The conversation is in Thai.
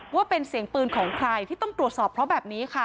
ว่าเป็นเสียงปืนของใครที่ต้องตรวจสอบเพราะแบบนี้ค่ะ